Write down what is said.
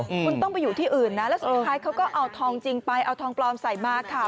คุณต้องไปอยู่ที่อื่นนะแล้วสุดท้ายเขาก็เอาทองจริงไปเอาทองปลอมใส่มาค่ะ